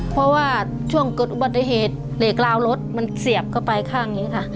เพราะว่ากดปฏิเหตุเล็กราวรถมันเสียบเข้าไปข้างอยู่นี่ค่ะ